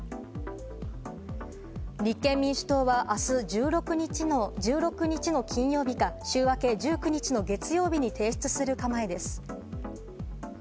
立憲民主党はあす１６日の金曜日か、週明け１９日の月曜日に提出する構えです。